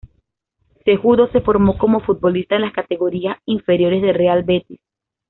Cejudo se formó como futbolista en las categorías inferiores del Real Betis.